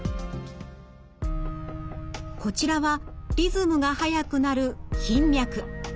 こちらはリズムが速くなる頻脈。